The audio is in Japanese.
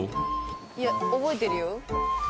いや覚えてるよ。